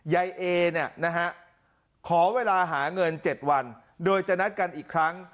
ยายเอ๋ขอเวลาหาเงิน๗วันโดยจะนัดกันอีกครั้ง